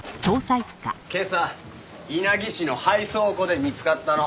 今朝稲城市の廃倉庫で見つかったの。